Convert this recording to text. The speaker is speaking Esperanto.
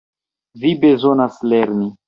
Vi bezonas lerni.